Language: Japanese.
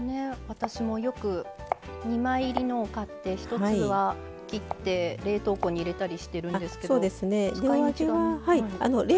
私もよく２枚入りのを買って一つは切って冷凍庫に入れたりしてるんですけど。